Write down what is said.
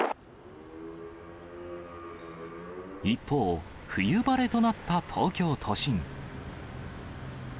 一方、冬晴れとなった東京都心。